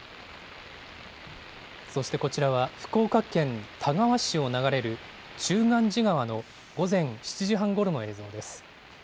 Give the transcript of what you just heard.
そしてこちらは、福岡県田川市を流れる中元寺川の午前７時半ごろの映像です。